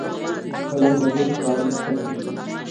قلم له بدو کارونو کرکه لري